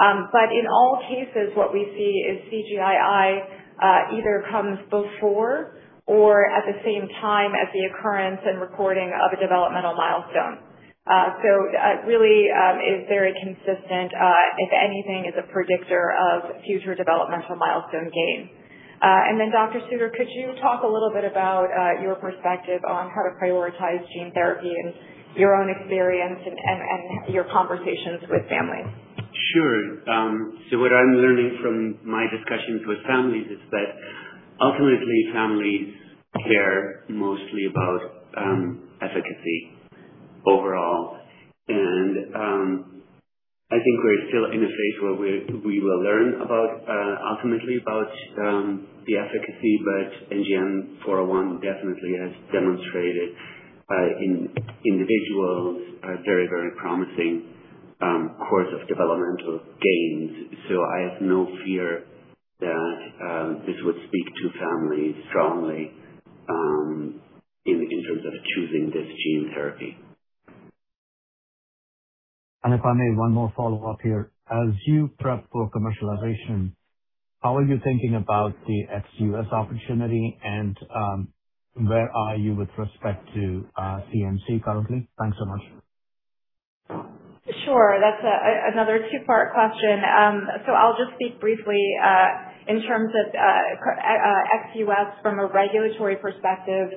In all cases, what we see is CGI-I either comes before or at the same time as the occurrence and recording of a developmental milestone. It really is very consistent. If anything, it's a predictor of future developmental milestone gain. Dr. Suter, could you talk a little bit about your perspective on how to prioritize gene therapy in your own experience and your conversations with families? Sure. What I'm learning from my discussions with families is that ultimately, families care mostly about efficacy overall. I think we're still in a phase where we will learn ultimately about the efficacy. NGN-401 definitely has demonstrated in individuals a very, very promising course of developmental gains. I have no fear that this would speak to families strongly in terms of choosing this gene therapy. If I may, one more follow-up here. As you prep for commercialization, how are you thinking about the ex-U.S. opportunity, and where are you with respect to CMC currently? Thanks so much. Sure. That's another two-part question. I'll just speak briefly in terms of ex-U.S. From a regulatory perspective,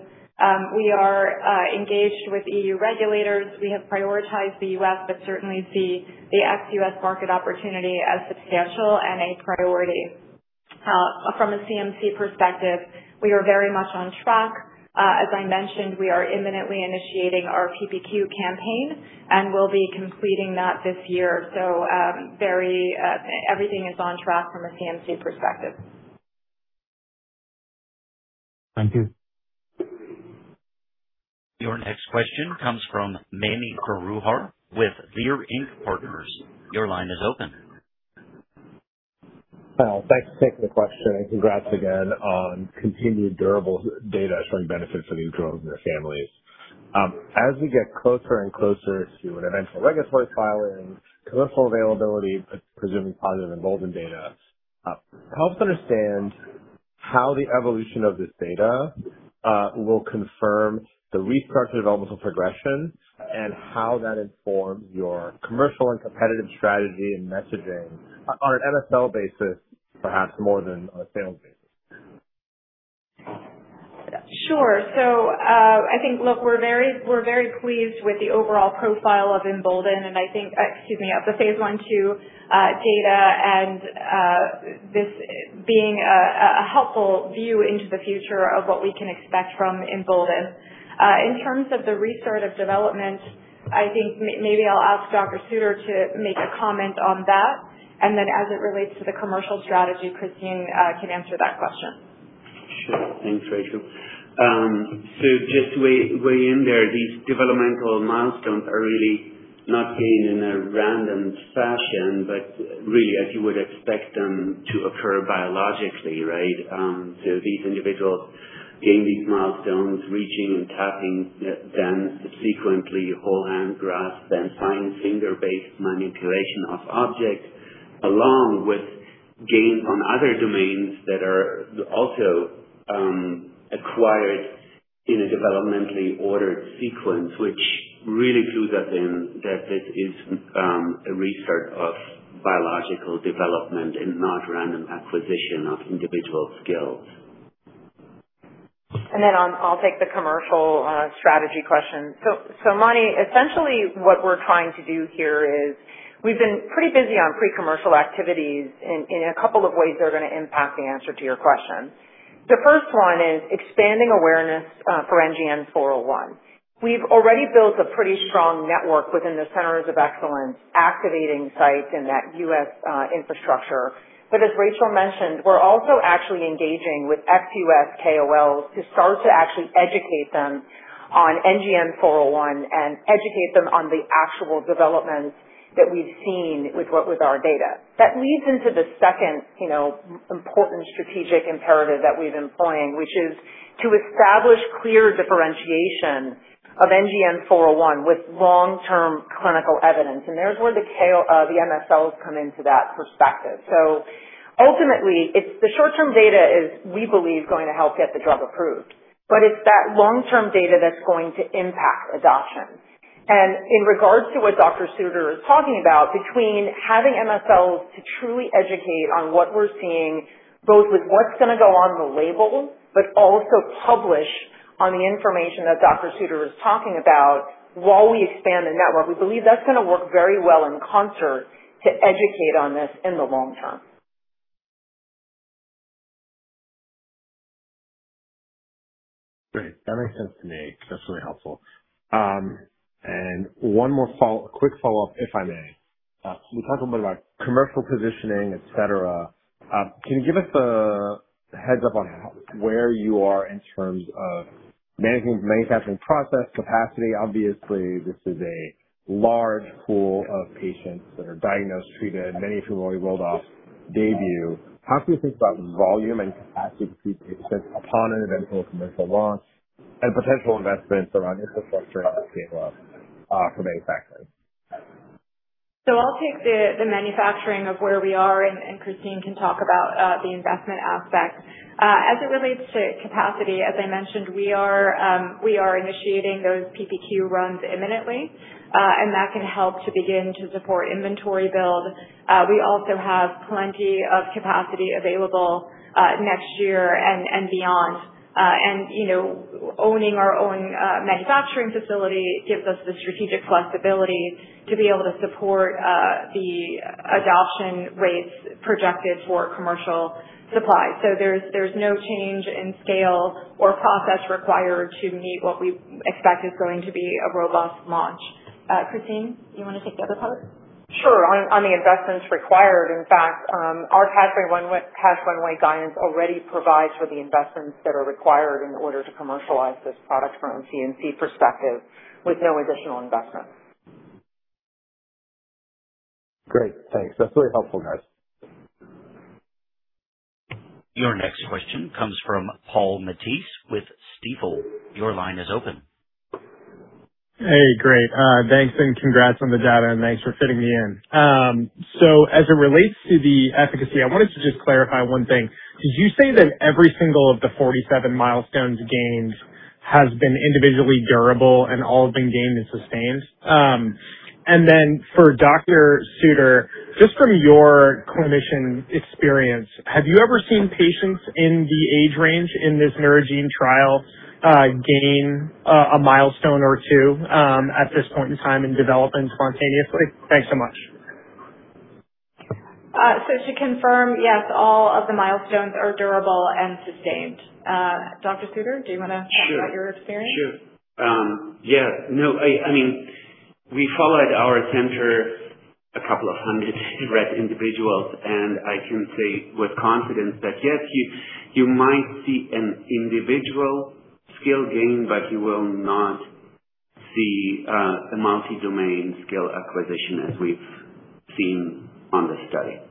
we are engaged with EU regulators. We have prioritized the U.S., but certainly see the ex-U.S. market opportunity as substantial and a priority. From a CMC perspective, we are very much on track. As I mentioned, we are imminently initiating our PPQ campaign, and we'll be completing that this year. Everything is on track from a CMC perspective. Thank you. Your next question comes from Mani Foroohar with Leerink Partners. Your line is open. Thanks for taking the question, and congrats again on continued durable data showing benefit for these drugs and their families. As we get closer and closer to an eventual regulatory filing, commercial availability, presuming positive EMBOLDEN data, help us understand how the evolution of this data will confirm the restart developmental progression and how that informs your commercial and competitive strategy and messaging on an MSL basis, perhaps more than a sales basis. Sure. I think, look, we're very pleased with the overall profile of EMBOLDEN, and I think Excuse me. Of the phase I, II data and this being a helpful view into the future of what we can expect from EMBOLDEN. In terms of the restart of development, I think maybe I'll ask Dr. Suter to make a comment on that, and then as it relates to the commercial strategy, Christine can answer that question. Sure. Thanks, Rachel. Just to weigh in there, these developmental milestones are really not gained in a random fashion, but really as you would expect them to occur biologically, right? These individuals gain these milestones, reaching and tapping, then subsequently whole hand grasp, then fine finger-based manipulation of objects, along with gain on other domains that are also acquired in a developmentally ordered sequence, which really clues us in that this is a restart of biological development and not random acquisition of individual skills. Then I'll take the commercial strategy question. Mani, essentially what we're trying to do here is we've been pretty busy on pre-commercial activities in a couple of ways that are going to impact the answer to your question. The first one is expanding awareness for NGN-401. We've already built a pretty strong network within the centers of excellence, activating sites in that U.S. infrastructure. As Rachel mentioned, we're also actually engaging with ex-U.S. KOLs to start to actually educate them on NGN-401 and educate them on the actual developments that we've seen with our data. That leads into the second important strategic imperative that we've employing, which is to establish clear differentiation of NGN-401 with long-term clinical evidence. There's where the MSLs come into that perspective. Ultimately, it's the short-term data is, we believe, going to help get the drug approved, but it's that long-term data that's going to impact adoption. In regards to what Dr. Suter is talking about, between having MSLs to truly educate on what we're seeing, both with what's going to go on the label, but also publish on the information that Dr. Suter is talking about while we expand the network. We believe that's going to work very well in concert to educate on this in the long term. Great. That makes sense to me. That's really helpful. One more quick follow-up, if I may. You talked a little bit about commercial positioning, et cetera. Can you give us a heads up on where you are in terms of managing the manufacturing process capacity? Obviously, this is a large pool of patients that are diagnosed, treated, many of whom already rolled off DAYBUE. How can we think about volume and capacity to treat patients upon an eventual commercial launch and potential investments around infrastructure and scale-up for manufacturing? I'll take the manufacturing of where we are, and Christine can talk about the investment aspect. As it relates to capacity, as I mentioned, we are initiating those PPQ runs imminently, that can help to begin to support inventory build. We also have plenty of capacity available next year and beyond. Owning our own manufacturing facility gives us the strategic flexibility to be able to support the adoption rates projected for commercial supply. There's no change in scale or process required to meet what we expect is going to be a robust launch. Christine, do you want to take the other part? Sure. On the investments required, in fact, our cash runway guidance already provides for the investments that are required in order to commercialize this product from a CMC perspective with no additional investment. Great. Thanks. That's really helpful, guys. Your next question comes from Paul Matteis with Stifel. Your line is open. Hey, great. Thanks. Congrats on the data. Thanks for fitting me in. As it relates to the efficacy, I wanted to just clarify one thing. Did you say that every single of the 47 milestones gained has been individually durable and all have been gained and sustained? Then for Dr. Suter, just from your clinician experience, have you ever seen patients in the age range in this Neurogene trial gain a milestone or two at this point in time in development spontaneously? Thanks so much. To confirm, yes, all of the milestones are durable and sustained. Dr. Suter, do you want to talk about your experience? Sure. We followed our center, a couple of hundred Rett individuals, I can say with confidence that yes, you might see an individual skill gain, you will not see a multi-domain skill acquisition as we've seen on the study.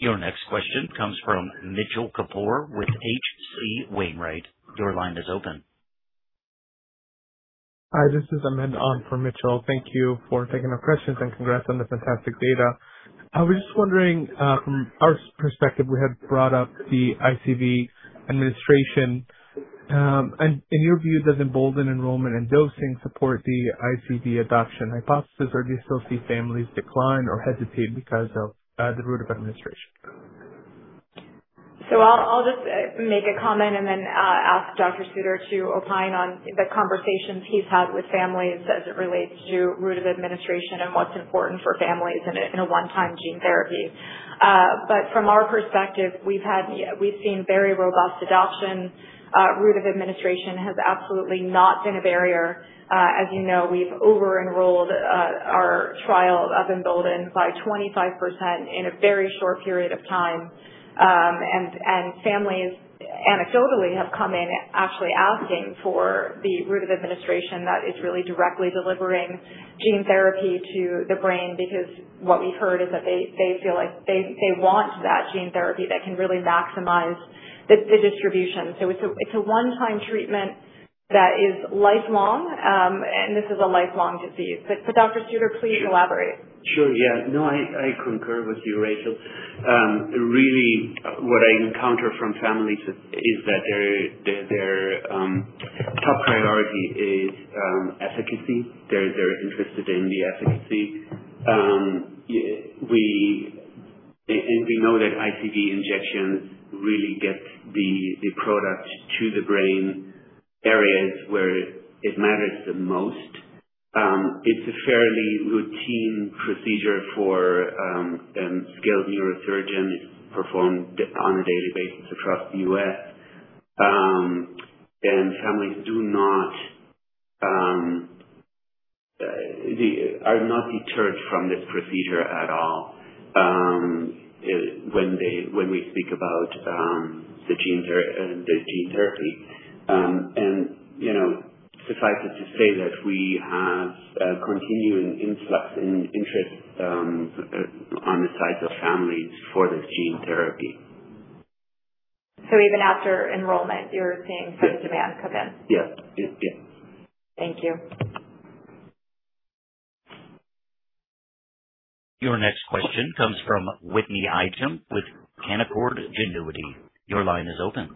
Your next question comes from Mitchell Kapoor with H.C. Wainwright. Your line is open. Hi, this is Ahmed on for Mitchell. Thank you for taking my questions. Congrats on the fantastic data. I was just wondering, from our perspective, we had brought up the ICV administration. In your view, does EMBOLDEN enrollment and dosing support the ICV adoption hypothesis, or do you still see families decline or hesitate because of the route of administration? I'll just make a comment and then ask Dr. Suter to opine on the conversations he's had with families as it relates to route of administration and what's important for families in a one-time gene therapy. From our perspective, we've seen very robust adoption. Route of administration has absolutely not been a barrier. As you know, we've over-enrolled our trial of EMBOLDEN by 25% in a very short period of time. Families anecdotally have come in actually asking for the route of administration that is really directly delivering gene therapy to the brain because what we've heard is that they feel like they want that gene therapy that can really maximize the distribution. It's a one-time treatment that is lifelong, this is a lifelong disease. Dr. Suter, please elaborate. Sure. Yeah. No, I concur with you, Rachel. Really, what I encounter from families is that their top priority is efficacy. They're interested in the efficacy. We know that ICV injections really get the product to the brain areas where it matters the most. It's a fairly routine procedure for skilled neurosurgeons, performed on a daily basis across the U.S. Families are not deterred from this procedure at all when we speak about the gene therapy. Suffice it to say that we have a continuing influx in interest on the sides of families for this gene therapy. Even after enrollment, you're seeing further demand come in? Yes. Thank you. Your next question comes from Whitney Ijem with Canaccord Genuity. Your line is open.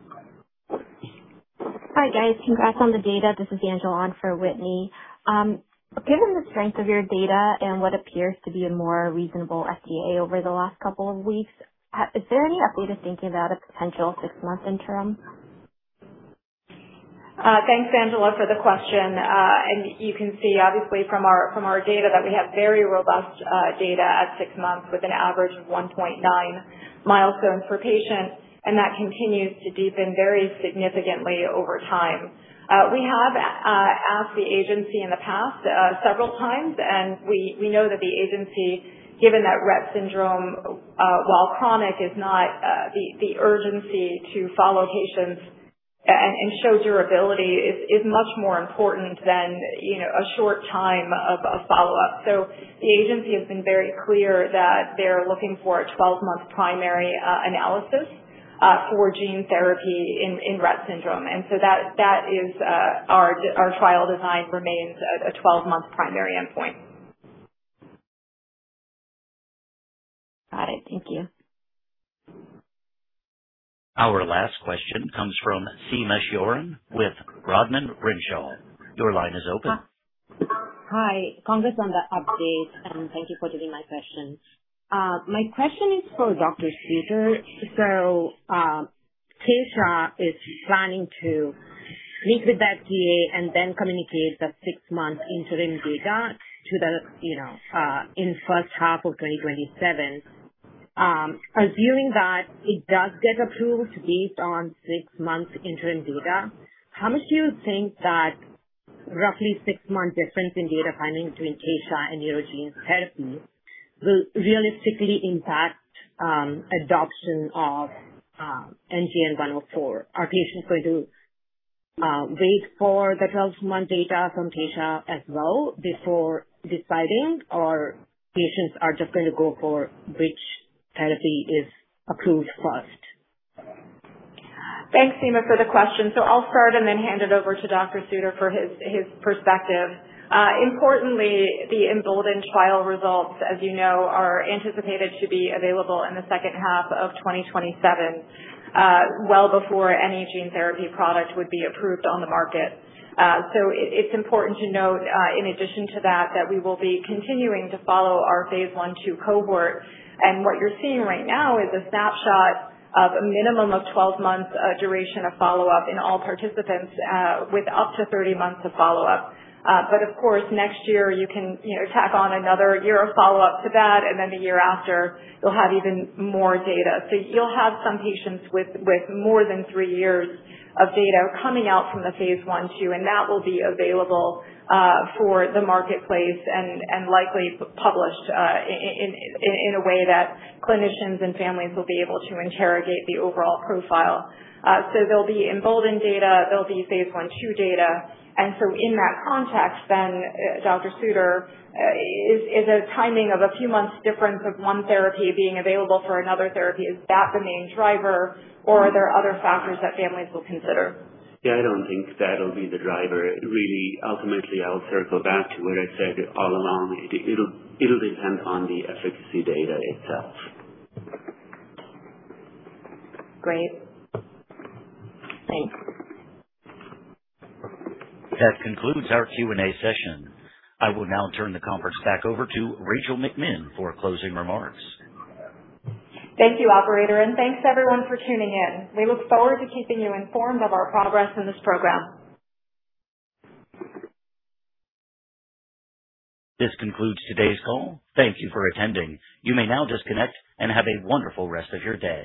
Hi, guys. Congrats on the data. This is Angela on for Whitney. Given the strength of your data and what appears to be a more reasonable FDA over the last couple of weeks, is there any updated thinking about a potential six-month interim? Thanks, Angela, for the question. You can see obviously from our data that we have very robust data at six months with an average of 1.9 milestones per patient, and that continues to deepen very significantly over time. We have asked the agency in the past several times, we know that the agency, given that Rett syndrome, while chronic, is not the urgency to follow patients and show durability is much more important than a short time of follow-up. The agency has been very clear that they're looking for a 12-month primary analysis for gene therapy in Rett syndrome. Our trial design remains a 12-month primary endpoint. Got it. Thank you. Our last question comes from Seema Sheoran with Rodman & Renshaw. Your line is open. Hi. Congrats on the update, and thank you for taking my question. My question is for Dr. Suter. Taysha Gene Therapies is planning to meet with the FDA and communicate the six-month interim data in the first half of 2027. Assuming that it does get approved based on six months interim data, how much do you think that roughly six months difference in data finding between Taysha Gene Therapies and Neurogene's therapy will realistically impact adoption of NGN-401? Are patients going to wait for the 12-month data from Taysha Gene Therapies as well before deciding, or patients are just going to go for which therapy is approved first? Thanks, Seema, for the question. I'll start and hand it over to Dr. Suter for his perspective. Importantly, the EMBOLDEN trial results, as you know, are anticipated to be available in the second half of 2027, well before any gene therapy product would be approved on the market. It's important to note, in addition to that we will be continuing to follow our phase I-II cohort. What you're seeing right now is a snapshot of a minimum of 12 months duration of follow-up in all participants, with up to 30 months of follow-up. Of course, next year you can tack on another year of follow-up to that, the year after, you'll have even more data. You'll have some patients with more than three years of data coming out from the phase I-II, that will be available for the marketplace and likely published in a way that clinicians and families will be able to interrogate the overall profile. There'll be EMBOLDEN data, there'll be phase I-II data. In that context, Dr. Suter, is a timing of a few months difference of one therapy being available for another therapy, is that the main driver, or are there other factors that families will consider? Yeah, I don't think that'll be the driver. Really, ultimately, I'll circle back to what I said all along. It'll depend on the efficacy data itself. Great. Thanks. That concludes our Q&A session. I will now turn the conference back over to Rachel McMinn for closing remarks. Thank you, operator. Thanks everyone for tuning in. We look forward to keeping you informed of our progress in this program. This concludes today's call. Thank you for attending. You may now disconnect and have a wonderful rest of your day.